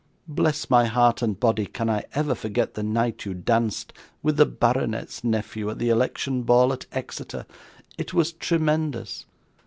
Bless my heart and body, can I ever forget the night you danced with the baronet's nephew at the election ball, at Exeter! It was tremendous.